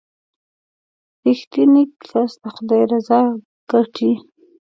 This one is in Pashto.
• رښتینی کس د خدای رضا ګټي.